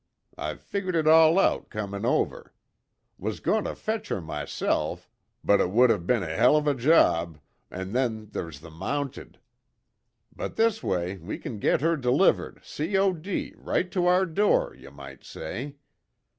I've figured it all out, comin' over. Was goin' to fetch her myself, but it would of be'n a hell of a job, an' then there's the Mounted. But this way we git her delivered, C.O.D. right to our door, you might say.